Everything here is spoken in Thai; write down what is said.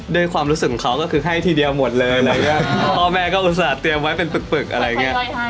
ด้วยความรู้สึกของเขาก็คือให้ทีเดียวหมดเลยอะไรอย่างเงี้ยพ่อแม่ก็อุตส่าห์เตรียมไว้เป็นปึกอะไรอย่างนี้